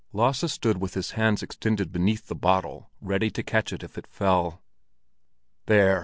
Lasse stood with his hands extended beneath the bottle, ready to catch it if it fell. "There!